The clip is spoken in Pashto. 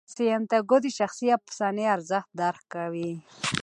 سانتیاګو د شخصي افسانې ارزښت درک کوي.